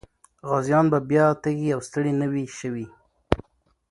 غازيان به بیا تږي او ستړي نه وي سوي.